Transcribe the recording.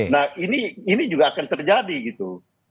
nah ini juga akan terjadi gitu